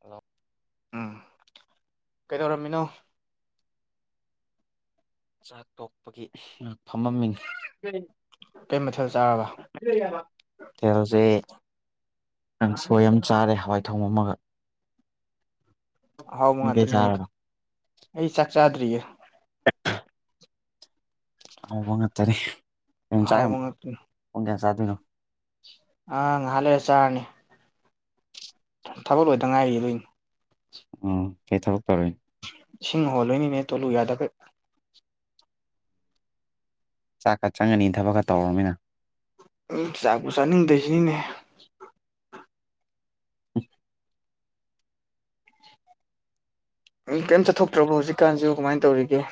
hello ꯎꯝ ꯀꯩꯗꯧꯔꯝꯃꯤꯅꯣ ꯆꯥꯛ ꯇꯣꯛꯄꯒꯤ ꯐꯝꯃꯝꯃꯤꯅꯤ ꯀꯩ ꯃꯊꯦꯜ ꯆꯥꯔꯕ ꯇꯦꯜꯖꯦ ꯀꯪꯁꯣꯏ ꯑꯝ ꯆꯥꯔꯦ ꯍꯋꯥꯏ ꯊꯣꯡ ꯑꯃꯒ ꯑꯍꯥꯎꯕ ꯃꯤ ꯀꯩ ꯉꯥꯛꯇꯅꯤꯅꯦ ꯆꯥꯔꯕ ꯑꯩ ꯆꯥꯛ ꯆꯥꯗ꯭ꯔꯤꯌꯦ [inaudible] ꯑꯍꯥꯎꯕ ꯉꯥꯛꯇꯅꯦ ꯑꯍꯥꯎꯕꯉꯥꯛꯇꯨꯅ ꯄꯨꯡ ꯀꯌꯥ ꯆꯥꯗꯣꯏꯅꯣ ꯑꯥ ꯉꯥꯍꯥꯛ ꯂꯩꯔ ꯆꯥꯔꯅꯤ ꯊꯕꯛ ꯂꯣꯏꯗ ꯉꯥꯏꯔꯤ ꯑꯗꯨꯏꯅꯤ ꯎꯝ ꯀꯩ ꯊꯕꯛ ꯇꯧꯔꯦ ꯏꯁꯤꯡ ꯍꯣꯜꯂꯨꯏꯅꯤꯅꯦ ꯇꯣꯂꯨ ꯌꯥꯗꯕꯩ ꯆꯥꯛꯀ ꯆꯪꯉꯅꯤ ꯊꯕꯛꯀ ꯇꯧꯔꯅꯤꯅ ꯎꯝ ꯆꯥꯛꯄꯨ ꯆꯥꯅꯤꯡꯗꯩꯖꯤꯅꯤꯅꯦ ꯎꯝ ꯀꯩꯝ ꯆꯠꯊꯣꯛꯇ꯭ꯔꯕꯣ ꯍꯧꯖꯤꯛꯀꯥꯟꯖꯤꯕꯨ ꯀꯃꯥꯏꯅ ꯇꯧꯔꯤꯒꯦ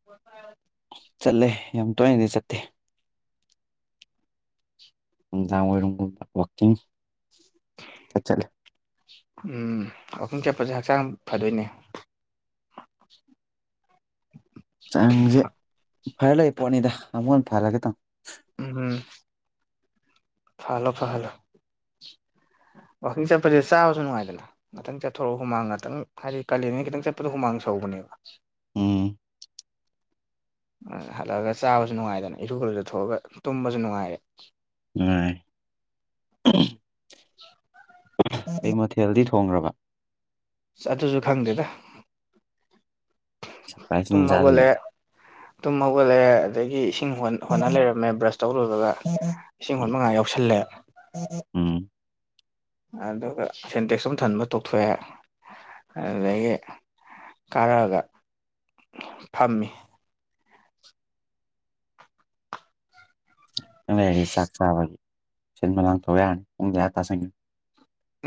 [unintelligible] ꯆꯠꯂꯦ ꯌꯥꯝ ꯇꯣꯏꯅꯗꯤ ꯆꯠꯇꯦ ꯥꯅꯨꯡꯗꯥꯡꯋꯥꯏꯔꯝꯒꯨꯝꯕ ꯋꯥꯀꯤꯡ ꯈꯥ ꯆꯠꯂꯦ ꯎꯝ ꯋꯥꯛꯀꯤꯡ ꯆꯠꯄꯁꯦ ꯍꯛꯆꯥꯡ ꯐꯗꯣꯏꯅꯦ ꯆꯥꯡꯖꯦ ꯐꯔ ꯂꯩ ꯄꯣꯠꯅꯤꯗ ꯑꯃꯨꯛ ꯍꯟꯅ ꯐꯔꯒꯦ ꯇꯧ ꯎꯝꯎꯝ ꯐꯍꯜꯂꯣ ꯐꯍꯜꯂꯣ ꯋꯥꯀꯤꯡ ꯆꯠꯄꯖꯦ ꯆꯥꯕꯁꯨ ꯅꯨꯡꯉꯥꯏꯗꯅ ꯉꯥꯛꯇꯪ ꯆꯠꯊꯣꯔ ꯍꯨꯃꯥꯡ ꯉꯥꯇꯪ ꯍꯥꯏꯗꯤ ꯀꯥꯂꯦꯟꯅꯤꯅ ꯈꯤꯇꯪ ꯆꯠꯄꯗ ꯍꯨꯃꯥꯡ ꯁꯧꯕꯅꯦꯕ ꯎꯝ ꯎꯝ ꯍꯜꯂꯛꯑꯒ ꯆꯥꯕꯖꯨ ꯅꯨꯡꯉꯥꯏꯗꯅ ꯏꯔꯨꯒ ꯂꯨꯖꯊꯣꯛꯑꯒ ꯇꯨꯝꯕꯖꯨ ꯅꯨꯡꯉꯥꯏꯔꯦ ꯅꯨꯉꯥꯏ [inaudible] ꯀꯩ ꯃꯊꯦꯜꯗꯤ ꯊꯣꯡꯈꯔꯕ ꯑꯁ ꯑꯗꯨꯖꯨ ꯈꯪꯗꯦꯗ ꯁꯔꯄ꯭ꯔꯥꯏꯖꯅꯤ ꯆꯥꯗꯣꯏꯁꯦ ꯇꯨꯝꯃꯒꯣꯂꯦ ꯇꯨꯝ ꯍꯧꯒꯠꯂꯛꯑꯦ ꯑꯗꯒꯤ ꯏꯁꯤꯡ ꯍꯣꯠꯅ ꯂꯩꯔꯝꯃꯦ ꯕ꯭ꯔꯁ ꯇꯧꯔꯨꯔꯒ ꯂꯤꯁꯤꯡ ꯍꯨꯟ ꯎꯝ ꯃꯉꯥ ꯌꯥꯎꯁꯜꯂꯦ [inaudible] ꯑꯗꯨꯒ ꯁꯦꯟꯇꯦꯛꯁ ꯑꯃ ꯊꯟꯕ ꯇꯣꯛꯊꯣꯛꯑꯦ ꯑꯗꯨꯗꯒꯤ ꯀꯥꯔꯒ ꯐꯝꯃꯤ ꯉꯥꯍꯣꯠꯇꯪ ꯂꯩꯔꯗꯤ ꯆꯥꯛ ꯆꯥꯕꯒꯤ ꯁꯤꯟꯕ ꯂꯥꯡ ꯊꯣꯛ ꯌꯥꯅꯤ ꯄꯨꯡ ꯌꯥ ꯇ ꯁꯪꯒꯤ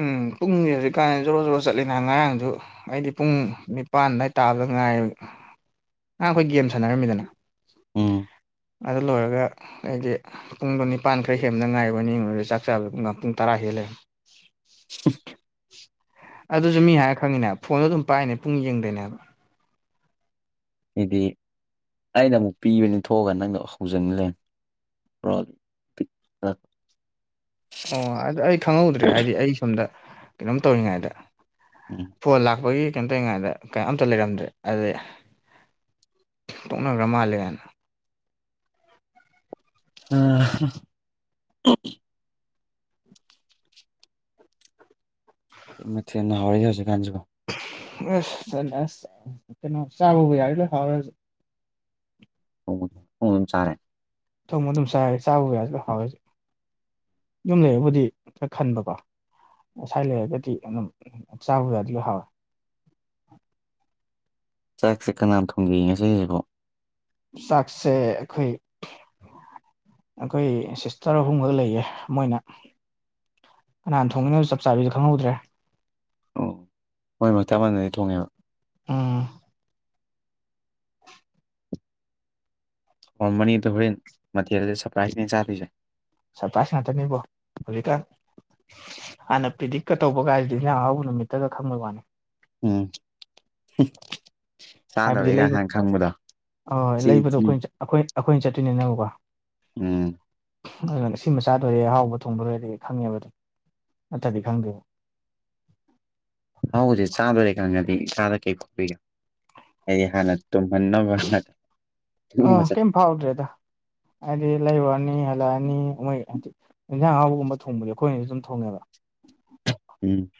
ꯎꯝ ꯄꯨꯡꯒꯤ ꯍꯧꯖꯤꯛꯀꯥꯟ ꯖꯣꯔꯣ ꯖꯣꯔꯣ ꯆꯠꯂꯤꯅ ꯉꯔꯥꯡꯗꯨ ꯑꯩꯗꯤ ꯄꯨꯡ ꯅꯤꯄꯥꯟ ꯑꯗꯥꯏ ꯇꯥꯕꯗ ꯉꯥꯏ ꯉꯔꯥꯡ ꯑꯩꯈꯣꯏ ꯒꯦꯝ ꯁꯥꯟꯅꯔꯝꯃꯤꯗꯅ ꯎꯝ ꯑꯗꯨ ꯂꯣꯏꯔꯒ ꯑꯩꯒꯤ ꯄꯨꯡꯗꯣ ꯅꯤꯄꯥꯟ ꯈꯔ ꯍꯦꯟꯕꯗ ꯉꯥꯏꯔꯤꯕꯣꯏ ꯅꯤꯡꯉꯨꯔꯦ ꯆꯥꯛ ꯆꯥꯕꯗꯣ ꯄꯨꯡ ꯇꯔꯥ ꯍꯦꯜ ꯂꯩꯔꯝꯃꯦ [inaudible] ꯑꯗꯨꯁꯨ ꯃꯤ ꯍꯥꯏꯔ ꯈꯪꯉꯤꯅꯦ ꯍꯥꯏꯕ ꯐꯣꯟꯗꯣ ꯑꯗꯨꯝ ꯄꯥꯏꯅꯦ ꯄꯨꯡ ꯌꯦꯡꯗꯔꯤꯅꯦꯕ ꯍꯥꯏꯗꯤ ꯑꯩꯅ ꯑꯃꯨꯛ ꯄꯤꯕꯅꯤ ꯊꯣꯛꯑꯒ ꯅꯪꯗꯣ ꯍꯧꯖꯤꯟꯂꯦ ꯄ꯭ꯔꯣ ꯑꯣ ꯑꯗꯨ ꯑꯩ ꯈꯪꯍꯧꯗ꯭ꯔꯦ ꯍꯥꯏꯗꯤ ꯑꯩ ꯁꯣꯝꯗ ꯀꯩꯅꯣꯝ ꯇꯧꯔꯤꯉꯩꯗ ꯎꯝ ꯐꯣꯜ ꯂꯥꯛꯄꯒꯤ ꯀꯩꯝꯇꯉꯥꯏꯗ ꯀꯩꯝꯇ ꯂꯩꯔꯝꯗ꯭ꯔꯦ ꯑꯗꯨꯗꯩꯩ ꯇꯣꯛꯅꯈ꯭ꯔꯥ ꯃꯥꯜꯂꯦ [unintelligible] ꯀꯩ ꯃꯊꯦꯜꯅ ꯍꯧꯔꯛꯏꯦ ꯍꯧꯖꯤꯛꯀꯥꯟꯁꯤꯕꯣ ꯑꯁ ꯆꯠ ꯑꯁ ꯀꯩꯅꯣ ꯆꯥꯕꯕꯨ ꯌꯥꯔꯗꯤ ꯂꯣꯏ ꯍꯥꯎꯔꯣ ꯍꯦꯖꯤꯛ ꯎꯝ ꯆꯥꯔꯦ ꯑꯊꯣꯡꯕꯥ ꯑꯗꯨꯝ ꯆꯥꯏ ꯆꯥꯕꯕꯨ ꯌꯥꯔꯗꯤ ꯍꯥꯎꯋꯦ ꯌꯨꯝ ꯂꯩꯔꯕꯨꯗꯤ ꯈꯔ ꯈꯟꯕꯀꯣ ꯉꯁꯥꯏ ꯂꯩꯔꯒꯗꯤ ꯑꯗꯨꯝ ꯆꯥꯕꯕꯨ ꯌꯥꯔꯗꯤ ꯑꯗꯨ ꯂꯣꯏ ꯍꯥꯎꯋꯦ ꯆꯥꯛꯁꯦ ꯀꯅꯥꯝ ꯊꯣꯡꯕꯤ ꯉꯁꯤꯁꯤꯕꯣ ꯆꯥꯛꯁꯦ ꯑꯩꯈꯣꯏ ꯑꯩꯈꯣꯏ ꯁꯤꯁꯇꯔ ꯑꯍꯨꯝꯕꯗ ꯂꯩꯌꯦ ꯃꯣꯏꯅ ꯀꯅꯥꯥꯟ ꯊꯣꯡꯅꯤꯡꯅꯕꯁꯨ ꯆꯞ ꯆꯕꯤꯁꯨ ꯈꯪꯍꯧꯗ꯭ꯔꯦ ꯃꯣꯏ ꯃꯛꯇꯥ ꯃꯅꯗꯗꯤ ꯊꯣꯡꯉꯦꯕ ꯎꯟ ꯍꯣꯔ ꯃꯅꯤꯗꯨ ꯍꯣꯔꯦꯟ ꯃꯊꯦꯜ ꯁꯔꯄ꯭ꯔꯥꯏꯖꯅꯦ ꯆꯥꯗꯣꯏꯁꯦ ꯁꯨꯔꯣꯔꯤꯁꯦ ꯉꯥꯛꯇꯅꯦꯕꯣ ꯍꯧꯖꯤꯛꯀꯥꯟ ꯍꯥꯟꯅ ꯄ꯭ꯔꯤꯗꯤꯛꯀ ꯇꯧꯕ ꯀꯥꯏꯁꯤꯗꯤ ꯏꯪꯟꯖꯥꯛ ꯑꯍꯧꯎꯕ ꯅꯨꯃꯤꯠꯇꯒ ꯈꯪꯕꯩ ꯋꯥꯅꯤ ꯎꯝ ꯍꯥꯏꯕꯗꯤ ꯆꯥꯗꯧꯋꯒ ꯂꯩꯕ ꯍꯥꯡ ꯈꯪꯕꯗ ꯍꯣꯏ ꯁꯤ ꯂꯩꯕꯗꯣ ꯑꯩꯈꯣꯏ ꯑꯩꯈꯣꯏ ꯑꯩꯈꯣꯏꯅ ꯆꯠꯇꯣꯏꯅꯦ ꯅꯪꯀꯣ ꯎꯝ ꯑꯗꯨꯅ ꯉ ꯁꯤ ꯃꯆꯥꯥꯗꯣꯏꯔꯦ ꯑꯍꯥꯎꯕ ꯊꯣꯡꯕꯔꯣꯏꯔ ꯈꯪꯉꯦꯕ ꯑꯗꯨꯝ ꯅꯠꯇ꯭ꯔꯗꯤ ꯈꯪꯗꯦꯕ ꯑꯍꯧꯕꯁꯦ ꯆꯥꯗꯣꯔꯦ ꯈꯪꯉꯥꯗꯤ ꯏꯁꯥꯗ ꯀꯩ ꯐꯧꯕꯤꯒꯦ ꯑꯩꯗꯤ ꯍꯥꯟꯅ ꯇꯨꯍꯟꯅꯕ ꯍꯥꯎꯗ꯭ꯔꯔꯤꯗ ꯍꯥꯏꯗꯤ ꯂꯩꯔꯨꯔꯨꯔꯅꯤ ꯍꯜꯂꯛꯑꯅꯤ ꯃꯣꯏ ꯍꯥꯏꯗꯤ ꯌꯦꯟꯖꯥꯡ ꯍꯥꯎꯕꯒꯨꯝꯕ ꯊꯣꯡꯕꯗ ꯑꯩꯈꯣꯏꯅꯁꯨ ꯑꯗꯨꯝ ꯊꯣꯡꯉꯦꯕ ꯎꯝ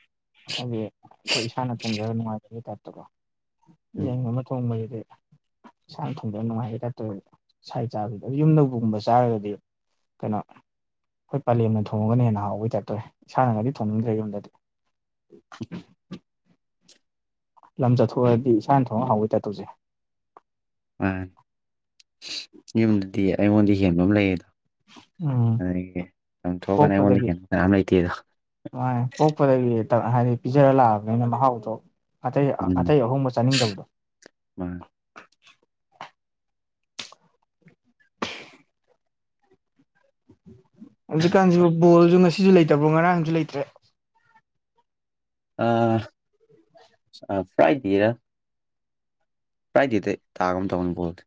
ꯍꯥꯏꯗꯤ ꯑꯩꯈꯣꯏ ꯏꯁꯥꯅ ꯊꯣꯡꯖꯔꯒ ꯅꯨꯡꯉꯥꯏꯖꯒꯤ ꯇꯥꯏꯞꯇꯀꯣ ꯎꯝ ꯌꯦꯡ ꯑꯃ ꯊꯣꯡꯕꯒꯤꯗꯤ ꯏꯁꯥꯅ ꯊꯣꯡꯕ ꯅꯨꯡꯉꯥꯏꯌꯦꯦ ꯀ ꯇꯧꯔ ꯁꯥꯏ ꯆꯥꯕꯗ ꯌꯨꯝꯗꯧꯕꯒꯨꯝꯕ ꯆꯥꯔꯒꯗꯤ ꯀꯩꯅꯣ ꯑꯩꯈꯣꯏ ꯄꯂꯦꯝꯅ ꯊꯣꯡꯉꯒꯅ ꯍꯦꯟꯅ ꯍꯥꯎꯧꯕꯩ ꯇꯥꯏꯞꯇꯣꯔꯦ ꯏꯁꯥꯅꯒꯗꯤ ꯊꯣꯡꯅꯤꯡꯗ꯭ꯔꯦ ꯌꯨꯝꯣꯟꯗꯗꯤ [inaudible] ꯂꯝ ꯆꯠꯊꯣꯛꯑꯗꯤ ꯏꯁꯥꯅ ꯊꯣꯡꯅ ꯍꯥꯎꯋꯦ ꯇ ꯇꯧꯁꯦ [unintelligible] ꯌꯨꯝꯗꯗꯤ ꯑꯩꯉꯣꯟꯗꯤ ꯍꯦꯟꯕ ꯑꯃ ꯂꯩꯌꯦꯗꯣ ꯎꯝ ꯑꯗꯨ ꯅ ꯊꯒꯅꯦꯣꯟꯥꯟꯇꯗ ꯃꯥꯥꯏ ꯄꯣꯛꯄꯗꯒꯤ ꯍꯥꯏꯗꯤ ꯄꯤꯖꯔ ꯂꯥꯛꯑꯕꯅꯤꯅ ꯃꯍꯥꯎꯗꯣ ꯑꯇꯩ ꯑꯇꯩ ꯑꯍꯣꯡꯕ ꯆꯥꯅꯤꯡꯗꯕꯗꯣ ꯑ ꯍꯧꯖꯤꯛꯀꯥꯟꯁꯨ ꯕꯣꯜꯁꯨ ꯉꯁꯤꯁꯨ ꯂꯩꯇꯕ꯭ꯔꯣ ꯉꯔꯥꯡꯁꯨ ꯂꯩꯇ꯭ꯔꯦ ꯐ꯭ꯔꯥꯏꯗꯤꯔ ꯇ꯭ꯔꯥꯏꯗꯤꯇ ꯇꯥꯒꯝ ꯇꯧꯉꯅꯤꯕꯣꯗꯤ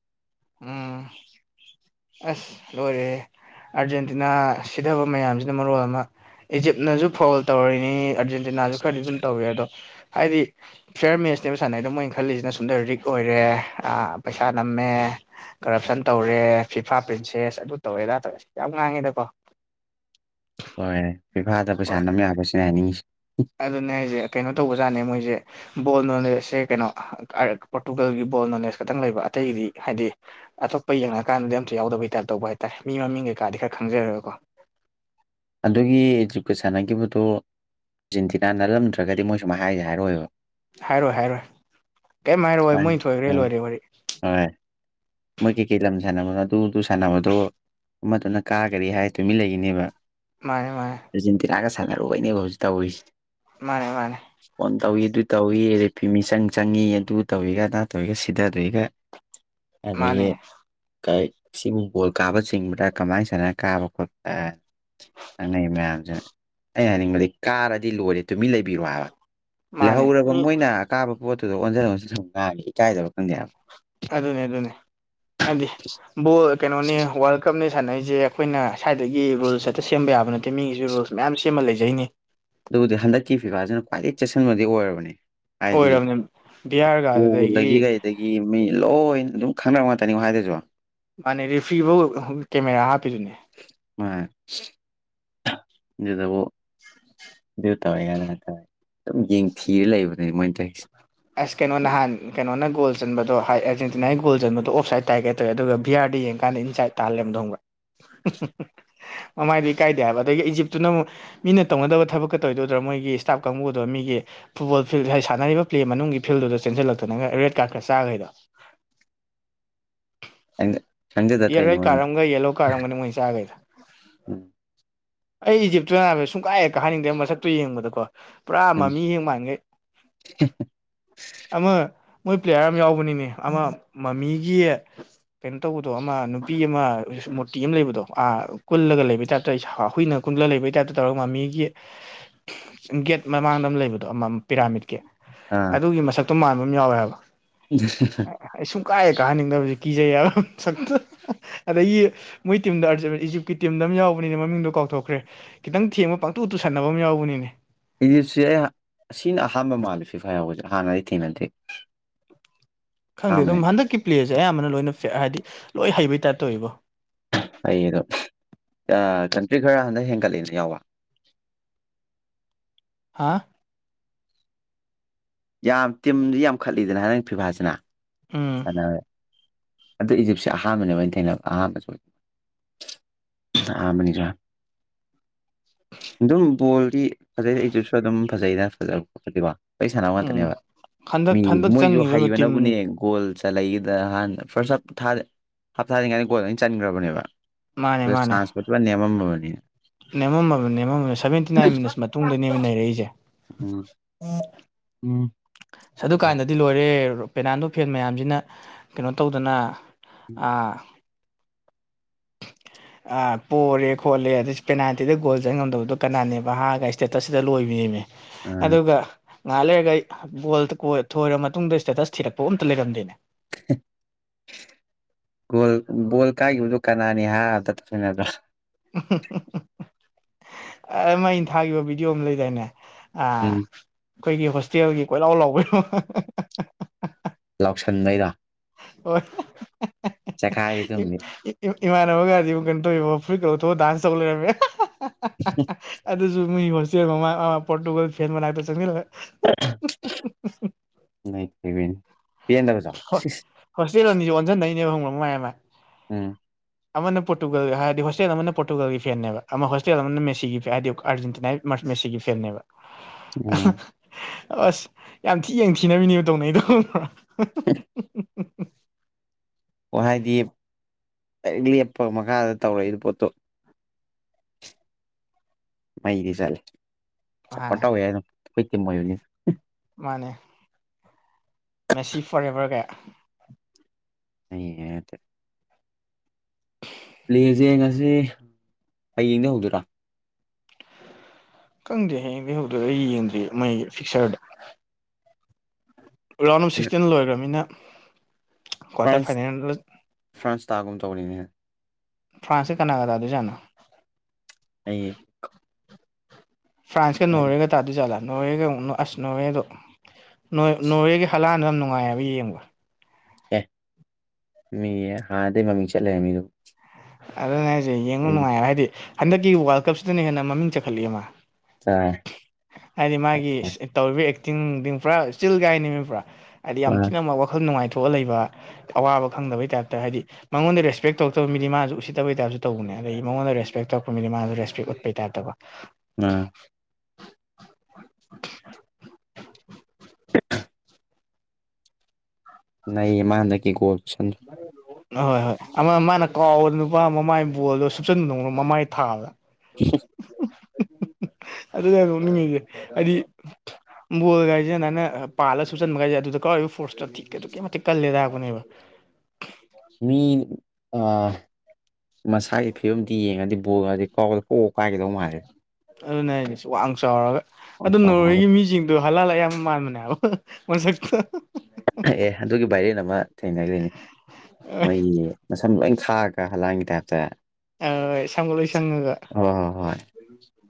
ꯎꯝ [unintelligible] ꯑꯁ ꯂꯣꯏꯔꯦꯦ ꯑꯥꯔꯖꯦꯟꯇꯤꯅꯥ ꯁꯤꯊꯕ ꯃꯌꯥꯝꯁꯤꯅ ꯃꯔꯣꯜ ꯑꯃ ꯏꯖꯤꯞꯅꯁꯨ ꯐꯣꯜ ꯇꯧꯔꯤꯅꯤ ꯑꯔꯖꯦꯟ ꯅꯥꯁꯨ ꯈꯔꯗꯤ ꯑꯗꯨꯝ ꯇꯧꯋꯦ ꯑꯗꯣ ꯍꯥꯏꯗꯤ ꯐꯤꯌꯔ ꯃꯦꯠꯁꯅꯦꯕ ꯁꯥꯟꯅꯩ ꯑꯗꯨꯝ ꯃꯣꯏꯅ ꯈꯜꯂꯤꯁꯤꯅ ꯁꯣꯨꯝꯗ ꯔꯤꯛ ꯑꯣꯏꯔꯦ ꯄꯩꯁꯥ ꯅꯝꯃꯦ ꯀꯔꯞꯁꯟ ꯇꯧꯔꯦ ꯐꯤꯐꯥ ꯄ꯭ꯔꯤꯟꯁꯦꯁ ꯑꯗꯨ ꯇꯧꯔꯦꯗꯥ ꯇꯧꯔꯦ ꯌꯥꯝ ꯉꯥꯡꯉꯦꯗꯀꯣ ꯍꯣꯏꯔ ꯄꯩꯐꯥꯗ ꯄꯩꯁꯥ ꯅꯝ ꯌꯥꯕꯁꯤꯅꯦ ꯍꯥꯏꯅꯤꯡꯉꯁꯤꯦ ꯑꯗꯨꯅꯦ ꯑꯩꯁꯦ ꯀꯩꯅꯣ ꯇꯧꯕꯖꯥꯠꯅꯦ ꯃꯣꯏꯁꯦ ꯕꯣꯜ ꯅꯣꯂꯦꯖꯁꯦ ꯀꯩꯅꯣ ꯄꯣꯔꯇꯨꯒꯜꯒꯤ ꯕꯣꯜ ꯅꯣꯂꯦꯖ ꯈꯛꯇꯪ ꯂꯩꯕ ꯑꯇꯩꯒꯤꯗꯤ ꯍꯥꯏꯗꯤ ꯑꯇꯣꯞꯄ ꯌꯦꯡꯉꯑꯀꯥꯟꯗꯗꯤ ꯑꯝꯁꯨ ꯌꯥꯎꯗꯕꯩ ꯇꯥꯏꯞ ꯇꯧꯕ ꯍꯥꯏꯇꯥꯔꯦ ꯃꯤ ꯃꯃꯤꯡ ꯀꯩꯀꯥꯗꯤ ꯈꯔ ꯈꯪꯖꯔꯦꯀꯣ ꯑꯗꯨꯒꯤ ꯏꯖꯨꯀ ꯁꯥꯟꯅꯈꯤꯕꯗꯨꯖꯦꯟꯇꯤꯅꯥ ꯅꯠꯜꯂꯝꯗ꯭ꯔꯒꯗꯤ ꯃꯣꯏ ꯁꯨꯝꯥꯏ ꯍꯥꯏꯁꯦ ꯍꯥꯏꯔꯣꯏꯑꯕ ꯍꯥꯏꯔꯣꯏ ꯍꯥꯏꯔꯣꯏ ꯀꯩꯝ ꯍꯥꯏꯔꯣ ꯍꯣꯏ ꯃꯣꯏ ꯃꯥꯅꯤ ꯊꯣꯏꯈ꯭ꯔꯦ ꯎꯝ ꯂꯣꯏꯔꯦ ꯋꯥꯔꯤ ꯍꯣꯏ ꯃꯣꯏ ꯀꯩꯀꯩ ꯂꯝ ꯁꯥꯟꯅꯕꯅꯣ ꯑꯗꯨ ꯑꯗꯨ ꯁꯥꯟꯅꯕꯗꯣ ꯑꯃꯗꯨꯅ ꯀꯥꯒꯔꯤ ꯍꯥꯏ ꯇꯨꯃꯤ ꯂꯩꯈꯤꯅꯦꯕ ꯃꯥꯅꯦ ꯃꯥꯅꯦ ꯑꯔꯖꯦꯟꯇꯤꯅꯥꯒ ꯁꯥꯟꯅꯔꯣꯏꯅꯦꯕ ꯍꯧꯖꯤꯛ ꯇꯧꯔꯤꯁꯤꯦ ꯃꯥꯅꯦ ꯃꯥꯅꯦ ꯑꯣꯣꯟ ꯇꯧꯏ ꯑꯗꯨ ꯇꯧꯏ ꯔꯦꯄꯤꯤ ꯃꯤꯆꯪ ꯆꯪꯏ ꯑꯗꯨ ꯇꯧꯏꯒ ꯑꯗꯥ ꯇꯧꯋꯏꯒ ꯁꯤꯗꯗꯣꯏꯒ [unintelligible] ꯑꯗꯒꯤ ꯃꯥꯅꯦ ꯁꯤꯕꯨ ꯕꯣꯜ ꯀꯥꯕ ꯆꯤꯡꯕꯗ ꯀꯃꯥꯏ ꯁꯥꯟꯅ ꯀꯥꯕ ꯈꯣꯠꯄ ꯪꯩ ꯃꯌꯥꯝꯁꯤꯅ ꯑꯩ ꯍꯥꯏꯅꯤꯡꯕꯗꯤ ꯀꯥꯔꯗꯤ ꯂꯣꯜꯂꯤꯦ ꯇꯨꯃꯤ ꯂꯩꯕꯤꯔꯣ ꯍꯥꯏꯕ ꯃꯥꯅꯦ ꯂꯩꯍꯧꯔꯕ ꯃꯤ ꯃꯣꯏꯅ ꯑꯀꯥꯕ ꯄꯣꯠꯇꯨꯗ ꯑꯣꯟꯁꯤꯟ ꯑꯣꯟꯁꯤꯟ ꯉ ꯏꯀꯥꯏꯗꯕ ꯈꯪꯗꯦꯕ ꯑꯗꯨꯅꯦ ꯑꯗꯨꯅꯦ ꯍꯥꯏꯗꯤ ꯀꯩꯅꯣꯅꯤ ꯋꯥ ꯀꯞꯅꯩ ꯁꯥꯟꯅꯩꯁꯦ ꯑꯩꯈꯣꯏꯅ ꯁ꯭ꯋꯥꯏꯗꯒꯤ ꯔꯨꯜꯁ ꯍꯦꯛꯇ ꯁꯦꯝꯕ ꯌꯥꯕ ꯅꯠꯇꯦ ꯃꯤꯒꯤꯁꯨ ꯔꯨꯜꯁ ꯃꯌꯥꯝ ꯁꯦꯝꯃ ꯂꯩꯖꯩꯅꯤ ꯑꯗꯨꯕꯨꯗꯤ ꯍꯟꯗꯛꯀꯤ ꯐꯤꯚꯥꯁꯤꯅ ꯈ꯭ꯋꯥꯏꯗꯒꯤ ꯆꯦꯛꯁꯤꯟꯕꯗꯤ ꯑꯣꯏꯔꯕꯅꯤ ꯍꯥꯏꯗꯤ ꯑꯣꯏꯔꯕꯅꯤ ꯕꯤ ꯑꯥꯔꯒ ꯑꯗꯨꯗꯒꯤ ꯎꯗꯒꯤ ꯀꯩꯗꯒꯤ ꯒꯤ ꯃꯤ ꯂꯣꯏꯅ ꯑꯗꯨꯝ ꯈꯪꯅꯔ ꯉꯥꯛꯇꯅꯤꯀꯣ ꯍꯥꯏꯗꯨꯁꯨ ꯃꯥꯅꯦ ꯔꯤꯐ꯭ꯔꯤꯐꯧ ꯀꯦꯃꯦꯔꯥ ꯍꯥꯞꯄꯤꯗꯨꯅꯦ [unintelligible] ꯑꯗꯨ ꯇꯧꯦ ꯌꯥꯔ ꯇꯧꯋꯦ ꯑꯗꯨꯝ ꯌꯦꯡꯊꯤꯔ ꯂꯩꯕꯅꯤ ꯃꯣꯏꯅ ꯇꯁꯦ ꯑꯁ ꯀꯩꯅꯣ ꯅꯍꯥꯟ ꯀꯩꯅꯣꯅ ꯒꯣꯜ ꯆꯟꯕꯗꯣ ꯍꯥꯏ ꯑꯔꯖꯦꯟꯇꯤꯅꯥꯒꯤ ꯒꯣꯜ ꯆꯟꯕꯗꯣ ꯑꯣꯞꯁꯥꯏꯠ ꯇꯥꯔꯒꯦꯠ ꯇ ꯑꯗꯨꯒ ꯚꯤꯌꯥꯥꯔꯗ ꯌꯦꯡꯀꯥꯟꯗ ꯏꯟꯁꯥꯏꯠ ꯇꯥꯍꯜꯂꯦ ꯑꯃ ꯊꯣꯡꯕ ꯃꯃꯥꯏꯗꯤ ꯀꯥꯏꯗꯦ ꯍꯥꯏꯕ ꯑꯗꯒꯤ ꯏꯖꯤꯞꯇꯨꯅ ꯑꯃꯨꯛ ꯃꯤꯅ ꯇꯧꯅꯗꯕ ꯊꯕꯛꯀ ꯇꯧꯔꯤꯗꯣꯏꯗ꯭ꯔꯣ ꯃꯣꯏꯒꯤ ꯏꯁꯇꯥꯐ ꯀꯥꯡꯕꯨꯗꯣ ꯃꯤꯒꯤ ꯐꯨꯠꯕꯣꯜ ꯐꯤꯜ ꯍꯥꯏ ꯁꯥꯟꯅꯔꯤꯕ ꯄ꯭ꯂꯦ ꯃꯅꯨꯡꯒꯤ ꯐꯤꯜꯗꯨꯗ ꯆꯦꯟꯁꯤꯜꯂꯛꯇꯅꯒ ꯔꯦꯠ ꯀꯥꯔꯠꯀ ꯆꯥꯈꯩꯗꯣ ꯑ ꯏꯔꯣꯏꯠ ꯀꯥꯔꯝꯒ ꯌꯦꯂꯣ ꯀꯔꯝꯒꯅꯤ ꯃꯣꯏ ꯆꯥꯈꯩꯗ ꯎꯝ ꯑꯩ ꯏꯖꯤꯞꯇꯨꯅꯅꯥ ꯁꯨꯡꯀꯥꯏꯔꯦꯀ ꯍꯥꯏꯅꯤꯡꯗꯦ ꯃꯁꯛꯇꯨ ꯌꯦꯡꯕꯗꯀꯣ ꯄꯨꯔꯥ ꯎꯝ ꯃꯃꯤ ꯌꯦꯡ ꯃꯥꯡꯈꯩ ꯑꯃ ꯃꯣꯏ ꯄ꯭ꯂꯦꯌꯥꯔ ꯑꯃ ꯌꯥꯎꯕꯅꯤꯅꯦ ꯑꯃ ꯃꯃꯤꯒꯤ ꯀꯩꯅꯣ ꯇꯧꯕꯗꯣ ꯑꯃ ꯅꯨꯄꯤ ꯑꯃ ꯃꯨꯔꯇꯤ ꯑꯃ ꯂꯩꯕꯗꯣ ꯑꯥ ꯀꯨꯜꯂꯒ ꯂꯩꯕ ꯇꯥꯏꯞꯇ ꯑꯩ ꯁꯥꯎ ꯑꯩꯨꯏꯅ ꯀꯨꯟꯂ ꯂꯩꯕꯩ ꯇꯥꯏꯞꯇ ꯇꯧꯔꯒ ꯃꯃꯤꯒꯤ ꯒꯦꯠ ꯃꯃꯥꯡꯗ ꯑꯃ ꯂꯩꯕꯗꯣ ꯑꯃ ꯄꯤꯔꯥꯃꯤꯠꯀꯤ ꯑꯗꯨꯒꯤ ꯃꯁꯛꯇꯣ ꯃꯥꯟꯕ ꯑꯃ ꯌꯥꯎꯋꯦ ꯍꯥꯏꯕ ꯎꯝ ꯑꯩ ꯁꯨꯡ ꯀꯥꯏꯑꯦ ꯀꯥꯍꯟꯅꯤꯡꯗꯕꯕꯁꯤ ꯀꯤꯖꯩ ꯁ ꯑꯗꯒꯤ ꯃꯣꯏ ꯇꯤꯝꯗ ꯏꯖꯤꯞꯀꯤ ꯇꯤꯝꯗ ꯑꯃ ꯌꯥꯎꯕꯅꯤ ꯃꯃꯤꯡꯗꯣ ꯀ ꯄꯥꯡꯊꯣꯛꯈ꯭ꯔꯦ ꯈꯤꯇꯪ ꯊꯦꯡꯕ ꯄꯥꯡꯇꯨ ꯎꯇꯨ ꯁꯟꯅꯕ ꯑꯃ ꯌꯥꯎꯕꯅꯤꯅꯦ ꯏꯗꯤꯞꯁꯦ ꯑꯩ ꯁꯤꯅ ꯑꯍꯥꯟꯕ ꯃꯥꯜꯂꯁꯤ ꯐꯩꯍꯕꯁꯦ ꯍꯥꯟꯅ ꯑꯩ ꯊꯦꯡꯅꯗꯦ ꯈꯪꯗꯦ ꯑꯍꯥꯟꯕꯅꯦ ꯑꯗꯨꯝ ꯍꯟꯗꯛꯀꯤ ꯄ꯭ꯂꯦꯁꯦ ꯑꯌꯥꯝꯕꯅ ꯂꯣꯏꯅ ꯐ ꯍꯥꯏꯗꯤ ꯂꯣꯏ ꯍꯩꯕꯩ ꯇꯥꯏꯞ ꯇꯧꯔꯤꯕꯣ ꯑꯩ ꯑꯗꯣ ꯀꯟꯇ꯭ꯔꯤ ꯈꯔ ꯍꯟꯗꯛ ꯍꯦꯟꯒꯠꯂꯦꯅ ꯌꯥꯎꯕ ꯍꯥꯥ ꯌꯥꯝ ꯇꯤꯝꯗꯤ ꯌꯥꯝꯈꯠꯂꯤꯗꯅ ꯍꯗꯪ ꯐꯤꯚꯥꯁꯤꯅ ꯎꯝ ꯁꯥꯟꯅꯔꯔꯦ ꯑꯗꯣ ꯏꯖꯤꯞꯁꯦ ꯑꯍꯥꯟꯕꯅꯦꯕꯣꯏ ꯑꯣꯏꯅ ꯊꯦꯡꯅꯕ ꯑꯍꯥꯟꯕꯁꯨ ꯑꯣꯏ ꯑꯥ ꯃꯅꯤ꯭ꯔꯥ ꯑꯗꯨꯝ ꯕꯣꯜꯗꯤ ꯐꯖꯩ ꯑꯩꯁꯨꯁꯨ ꯑꯗꯨꯝ ꯐꯖꯩꯅ ꯐꯖꯕ ꯈꯣꯠ ꯐꯕ ꯁꯥꯟ ꯎꯝ ꯅꯦꯕ ꯃꯤ ꯍꯟꯗꯛ ꯍꯟꯗꯛ ꯃꯣꯏꯁꯨ ꯆꯪꯉꯤꯕ ꯇꯤꯝ ꯍꯩꯕꯅꯕꯨꯅꯦ ꯒꯣꯜ ꯆꯠꯂꯒꯗꯅ ꯍꯥꯟꯅ ꯐꯥꯔꯁꯞ ꯍꯥꯞ ꯊꯥꯗꯔꯤꯉꯥꯏꯗ ꯒꯣꯜꯗ ꯑꯩꯅ ꯆꯟꯈ꯭ꯔꯕꯅꯦꯕ ꯁꯥꯁꯀ꯭ꯇ ꯅꯤꯃꯝ ꯑꯃꯅꯤꯅꯤ ꯅꯦꯝꯃꯝꯃꯅꯦ ꯅꯦꯝꯃꯝꯃꯝꯅꯦ ꯁꯚꯦꯟꯇꯤ ꯅꯥꯏꯟ ꯃꯤꯅꯠꯁ ꯃꯇꯨꯡꯗꯅꯦꯕ ꯅꯩꯔꯛꯏꯁꯦ ꯎꯝ ꯎꯝ ꯎ ꯑꯗꯨ ꯀꯥꯏꯗꯗꯤ ꯁꯤ ꯂꯣꯏꯔꯦ ꯄꯦꯅꯥꯟꯗꯣ ꯐꯦꯟ ꯃꯌꯥꯝꯁꯤꯅ ꯀꯩꯅꯣ ꯇꯧꯗꯅ ꯄꯣꯔꯦ ꯈꯣꯠꯂꯦ ꯑꯗꯩ ꯄꯦꯅꯥꯜꯇꯤꯗ ꯒꯣꯜ ꯆꯪ ꯉꯝꯗꯕꯗꯣ ꯀꯅꯥꯅꯦꯕ ꯍꯥꯏꯔꯒ ꯏꯁꯇꯦꯇꯁꯁꯤꯗ ꯂꯣꯏꯕꯅꯦꯃꯦ ꯑ ꯑꯗꯨꯒ ꯉꯥꯏꯍꯥꯛ ꯂꯩꯔꯒ ꯑꯩ ꯕꯣꯜꯗ ꯊꯣꯏꯔ ꯃꯇꯨꯡꯗ ꯏꯁꯇꯦꯇꯁ ꯊꯤꯔꯛꯄ ꯑꯝꯇ ꯂꯩꯔꯝꯗꯦꯅꯦ ꯒꯣꯜ ꯒꯣꯜ ꯀꯥꯏꯈꯤꯕꯗꯨꯣ ꯀꯅꯥꯅꯤ ꯍꯥꯏꯕꯗ ꯊꯣꯏꯅꯗ꯭ꯔꯣ ꯑ [unintelligible] ꯃ ꯑꯩꯅ ꯊꯥꯈꯤꯕ ꯚꯤꯗꯤꯑꯣ ꯑꯃ ꯂꯩꯗꯥꯏꯅꯦ ꯑ ꯎꯝ ꯑꯩꯈꯣꯏꯒꯤ ꯍꯣꯁꯇꯦꯜꯒꯤ ꯀꯣꯏꯂꯥꯎ ꯂꯥꯎꯕꯔꯣ ꯂꯥꯎꯁꯟꯉꯩꯔꯥ ꯍꯣꯏ ꯆꯈꯥꯏꯔꯤꯗꯨꯝꯗꯤ ꯏꯃꯥꯟꯅꯕꯒꯗꯤ ꯑꯃꯨꯛ ꯀꯩꯅꯣ ꯇꯧꯋꯕ ꯐꯨꯔꯤꯠꯀꯧꯊꯣꯛꯑ ꯗꯥꯟꯁ ꯇꯧ ꯂꯩꯔꯝꯃꯦ ꯑꯗꯨꯁꯨ ꯃꯣꯏ ꯍꯣꯁꯇꯦꯜ ꯃꯃꯥ ꯄꯣꯔꯇꯨꯒꯜ ꯐꯦꯟ ꯃꯅꯥꯛꯇ ꯆꯪꯁꯤꯜꯂꯒ ꯅꯣꯏ ꯊꯩꯅꯦ ꯄꯦꯟꯗꯕꯖ ꯍꯣꯁꯇꯦꯜ ꯑꯅꯤꯁꯨ ꯑꯣꯟꯁꯤꯟꯗꯩꯅꯦꯕꯪꯕ ꯃꯌꯥꯝ ꯑꯃ ꯎꯝ ꯑꯃꯅ ꯄꯣꯔꯇꯨꯒꯜꯒ ꯍꯥꯏꯔꯗꯤ ꯍꯣꯁꯇꯦꯜ ꯑꯃꯅ ꯄꯣꯔꯇꯨꯒꯜꯒꯤ ꯐꯦꯟꯅꯦꯕ ꯑꯃ ꯍꯣꯁꯇꯦꯜ ꯑꯃꯅ ꯃꯦꯁꯤꯒꯤ ꯐꯦ ꯍꯥꯏꯗꯤꯥ ꯑꯥꯔꯖꯦꯟꯇꯤꯅꯥ ꯃꯥꯁꯨ ꯃꯦꯁꯤꯒꯤ ꯐꯦꯟꯅꯦꯕ ꯎꯝ ꯑꯁ ꯌꯥꯝ ꯊꯤ ꯌꯦꯡꯊꯤꯅꯕꯤꯅꯦꯕ ꯇꯧꯅꯩꯗꯣ ꯈꯪꯕ꯭ꯔꯥ ꯎ [inaudible] ꯑꯣ ꯍꯥꯏꯗꯤ ꯗꯥꯏꯔꯦꯛ ꯂꯦꯞꯄꯒ ꯃꯈꯥꯗ ꯇꯧꯔꯛꯏꯗꯨ ꯄꯣꯠꯇꯣ ꯃꯩꯗꯤ ꯆꯠꯂꯦ ꯁꯞꯄ꯭ꯣꯔꯠ ꯃꯥꯅꯦ ꯇꯧꯋꯦ ꯑꯗꯨꯝ ꯑꯈꯣꯏ ꯇꯤꯝ ꯑꯣꯏꯕꯅꯤꯅ ꯃꯥꯅꯦ ꯃꯦꯁꯤ ꯐꯣꯔ ꯑꯦꯕꯔꯒꯥ [unintelligible] ꯂꯁꯦ ꯉꯁꯤ ꯍꯌꯦꯡꯗ ꯍꯧꯗꯣꯏꯔꯥ ꯀꯪꯗꯦ ꯍꯌꯦꯡꯕꯤꯍꯧꯗꯗ ꯑꯩ ꯌꯦꯡꯗ꯭ꯔꯤ ꯃꯩꯒꯤ ꯐꯤꯛꯁꯔꯗ ꯔꯥꯎꯟ ꯑꯣꯐ ꯁꯤꯛꯁꯇꯤꯟ ꯂꯣꯏꯈ꯭ꯔꯅꯤꯅ ꯀ꯭ꯋꯥꯇꯔ ꯐꯥꯏꯅꯦꯜꯗ ꯐ꯭ꯔꯥꯟꯁꯇꯥꯥꯒꯨꯝ ꯇꯧꯔꯤꯅꯤꯍꯦ ꯐ꯭ꯔꯥꯟꯁꯦ ꯀꯅꯥ ꯀꯗꯥꯗꯏꯖꯥꯅꯣ ꯑꯩ ꯐ꯭ꯔꯥꯟꯁꯀ ꯑꯦ ꯅꯣꯔꯋꯦꯒ ꯇꯥꯗꯤꯖꯠꯂ ꯅꯣꯔꯋꯦꯒ ꯑꯁ ꯅꯣꯔꯋꯦꯗꯣ ꯅꯣꯔꯔꯦꯒꯤ ꯍꯜꯂꯥꯟꯅꯗ ꯌꯥꯝ ꯅꯨꯡꯉꯥꯏꯑꯕ ꯌꯦꯡꯕ ꯑꯦ ꯃꯤ ꯍꯥꯟꯅꯗꯩ ꯃꯃꯤꯡ ꯆꯠ ꯂꯩꯔ ꯃꯤꯗꯨꯕꯨ ꯑꯗꯨꯅꯦ ꯍꯥꯏꯖꯦ ꯌꯦꯡꯕ ꯅꯨꯡꯉꯥꯏ ꯍꯥꯏꯗꯤ ꯍꯟꯗꯛꯀꯤ ꯋꯥꯜ ꯀꯞꯁꯤꯗꯅ ꯍꯦꯟꯅ ꯃꯃꯤꯡ ꯆꯠꯈꯠꯂꯛꯑꯦ ꯃꯥ ꯇꯥꯏ ꯍꯥꯏꯗꯤ ꯃꯥꯒꯤ ꯏꯁ ꯇꯧꯔꯤꯕ ꯑꯦꯛꯇꯤꯡ ꯅꯨꯡꯗꯤꯡ ꯄꯨꯔꯥ ꯆꯤꯜ ꯒꯥꯏꯅꯤꯃꯤ ꯄꯨꯔꯥ ꯍꯥꯏꯗꯤ ꯌꯥꯝ ꯊꯤꯅꯃꯛ ꯋꯥꯈꯜ ꯅꯨꯡꯉꯥꯏꯊꯣꯛꯑ ꯂꯩꯕ ꯑꯋꯥꯕ ꯈꯪꯗꯕꯩ ꯇꯥꯏꯞꯇ ꯍꯥꯏꯗꯤ ꯃꯉꯣꯟꯗ ꯔꯦꯁꯄꯦꯛ ꯇꯧꯔꯛꯇꯕ ꯃꯤꯗꯤ ꯃꯥꯅꯁꯨ ꯎꯁꯤꯠꯇꯕ ꯇꯥꯏꯞꯁꯨ ꯇꯧꯕꯅꯦ ꯑꯗꯒꯤ ꯃꯉꯣꯟꯗ ꯔꯦꯁꯄꯦꯛ ꯇꯧꯔꯛꯄ ꯃꯤꯗꯤ ꯃꯥꯅꯁꯨ ꯔꯦꯁꯄꯦꯛ ꯎꯠꯄ ꯇꯥꯏꯞ ꯇꯕ ꯎꯝ ꯇꯥꯗꯔꯦ ꯁꯦꯪꯅꯥ [inaudible] ꯎꯃ ꯍꯨꯛ [inaudible] ꯅꯩ ꯃꯥ ꯍꯟꯗꯛꯀꯤ ꯒꯣꯜ ꯈꯨꯆꯟꯗꯣ ꯑꯍꯣꯏ ꯍꯣꯏ ꯑꯃ ꯃꯥꯅ ꯀꯥꯎꯕꯗ ꯅꯨꯄꯥ ꯑꯃ ꯃꯃꯥꯏ ꯕꯣꯜꯗꯣ ꯁꯨꯞꯆꯟꯕꯗꯣꯡ ꯃꯃꯥꯏ ꯊꯥꯕꯗ ꯎ [inaudible] ꯇꯥꯗꯔꯦ [inaudible] ꯑꯗꯨꯅꯦ ꯌꯥꯝ ꯅꯣꯛꯅꯤꯡꯉꯤꯖꯦ ꯍꯥꯏꯗꯤ ꯕꯣꯜꯒꯥꯏꯖꯦ ꯑꯗꯥꯏꯅ ꯄꯥꯂ ꯁꯨꯞꯆꯟꯕ ꯒꯥꯏꯖꯦ ꯑꯗꯨꯗ ꯀꯥꯎꯔꯤꯕ ꯐꯣ꯭ꯔꯁꯇꯣ ꯀꯦꯗꯨꯛꯀꯤ ꯃꯇꯤꯛ ꯀꯜꯂꯦ ꯇꯥꯛꯄꯅꯦꯕ ꯃꯤ ꯑꯥ ꯃꯁꯥꯒꯤ ꯐꯤꯕꯝꯗꯤ ꯌꯦꯡꯉꯗꯤ ꯕꯣꯜꯒꯖꯦ ꯀꯥꯎꯕꯗ ꯀꯣꯛ ꯀꯥꯏꯒꯗꯧ ꯃꯥꯜꯂꯦ ꯑꯗꯨꯅꯦ ꯍꯥꯏꯖꯦ ꯋꯥꯡ ꯆꯥꯎꯔꯒ ꯄꯥꯎ ꯑꯗꯨ ꯆꯥꯎꯔꯒ ꯅꯣꯔꯌꯦꯒꯤ ꯃꯤꯖꯤꯡ ꯑꯗꯨ ꯍꯜꯂꯥꯜ ꯑꯌꯥꯡꯕ ꯃꯥꯟꯕꯅꯦ ꯍꯥꯏꯕ ꯃꯁꯛꯇꯣ ꯑꯦ ꯑꯗꯨꯒꯤ ꯚꯥꯏꯔꯦꯟ ꯑꯃ ꯊꯦꯡꯅꯒ꯭ꯔꯤꯅꯤ ꯃꯣꯏ ꯃꯁꯝ ꯂꯣꯏ ꯈꯥꯛꯑꯒ ꯍꯂꯥꯡꯒꯤ ꯇꯥꯏꯞꯇ ꯁꯪꯒ ꯂꯣꯏ ꯁꯪꯉꯒ ꯑꯣ ꯍꯣꯏ ꯍꯣꯏ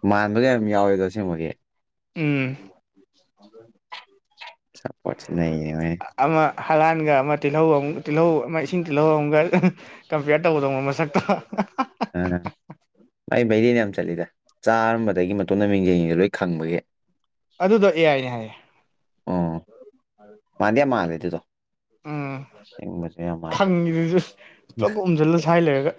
ꯃꯥꯟꯕꯨꯗꯤ ꯌꯥꯝ ꯌꯥꯎꯋꯤꯗꯣ ꯑꯁꯦꯡꯕꯒꯤ ꯎꯝ ꯁꯞꯄꯣꯔꯠꯁꯤꯅ ꯌꯦꯡꯉꯦ ꯑꯃ ꯍꯂꯥꯟꯒ ꯑꯃ ꯇꯤꯜꯍꯧ ꯑꯃ ꯇꯤꯜꯍꯧ ꯑꯃ ꯏꯁꯤꯡ ꯇꯤꯜꯍꯧ ꯑꯃꯒ ꯀꯝꯄꯤꯌ꯭ꯔ ꯇꯧꯕꯗꯧꯉꯣ ꯃꯁꯛꯇꯣ ꯑ ꯃꯥꯏ ꯕꯥꯏꯔꯦꯟ ꯌꯥꯝ ꯆꯠꯂꯤꯗ ꯆꯥꯔꯝꯕꯗꯒꯤ ꯃꯇꯣꯝꯗ ꯃꯤꯡꯖꯦꯟ ꯌꯦꯡꯖꯤꯜꯂꯣꯏ ꯈꯪꯕꯒꯤ ꯑꯗꯨꯗꯣ ꯑꯦ ꯑꯥꯏꯅꯦ ꯍꯥꯏꯌꯦ ꯑꯣ ꯃꯥꯟꯗꯤ ꯌꯥꯝ ꯃꯥꯜꯂꯦ ꯑꯗꯨꯗꯣ ꯎꯝ ꯌꯦꯡꯕꯁꯨ ꯌꯥꯝ ꯃꯥꯜꯂꯦ ꯈꯪꯉꯤꯗꯨꯁꯨ ꯄꯨꯂꯞꯀ ꯎꯝꯖꯜꯂ ꯁꯥꯏ ꯂꯩꯔꯒ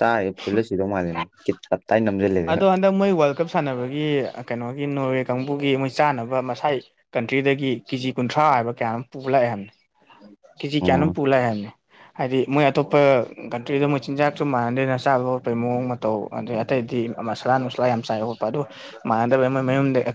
ꯆꯥꯏꯌꯦ ꯐꯨꯜꯂ ꯁꯤꯗꯧ ꯃꯥꯜꯂꯦꯅꯦ ꯀꯤꯠ ꯇꯞꯇꯥꯏꯅ ꯅꯝꯖꯤꯜꯂꯦꯔꯒ ꯇꯛ ꯃꯣꯏ ꯋꯥꯔꯜ ꯀꯞ ꯁꯥꯟꯅꯕꯒꯤ ꯑꯥ ꯀꯩꯅꯣꯒꯤ ꯅꯣꯔꯋꯦ ꯀꯥꯡꯕꯨꯒꯤ ꯃꯣꯏ ꯆꯥꯅꯕ ꯃꯁꯥꯏ ꯀꯟꯇ꯭ꯔꯤꯗꯒꯤ ꯀꯦꯖꯤ ꯀꯨꯟꯊ꯭ꯔꯥ ꯍꯥꯏꯕ ꯀꯌꯥꯅꯣꯝ ꯄꯨ ꯂꯥꯛꯑꯦ ꯍꯥꯏꯕꯅꯤ ꯀꯦ ꯖꯤ ꯑꯣ ꯀꯌꯥꯅꯣꯝ ꯄꯨ ꯂꯥꯛꯑꯦ ꯍꯥꯏꯕꯅꯤ ꯍꯥꯏꯗꯤ ꯃꯣꯏ ꯑꯇꯣꯞꯄ ꯀꯟꯇ꯭ꯔꯤꯗ ꯃꯣꯏ ꯆꯤꯟꯖꯥꯛꯁꯨ ꯃꯥꯟꯅꯗꯦꯅ ꯆꯥꯕ ꯈꯣꯠꯄꯩ ꯃꯑꯣꯡ ꯃꯇꯧ ꯑꯗꯩ ꯑꯇꯩꯗꯤ ꯃꯁꯂꯥ ꯅꯨꯡꯁꯂꯥ ꯌꯥꯝ ꯆꯥꯏꯕ ꯈꯣꯠꯄ ꯑꯗꯨ ꯃꯥꯟꯅꯗꯕꯩ ꯃꯣꯏ ꯃꯌꯨꯝꯗ